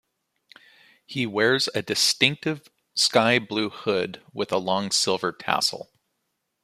He wears a distinctive sky blue hood with a long silver tassel.